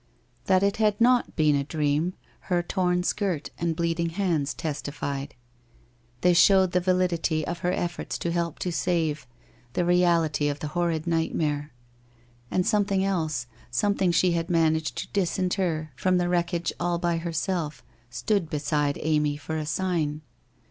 That it had not been a dream her torn skirt and bleeding hands testified. They showed the validity of her efforts to help to save, the reality of the horrid nightmare. And something else, something she had managed to disinter from the wreckage all by herself, stood beside Amy for a sign.